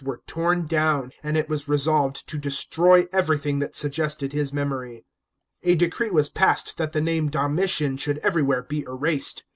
393 were torn down, and it was resolved to destroy everything that suggested his memory. A decree was passed that the name Domitian should everywl ere be erased.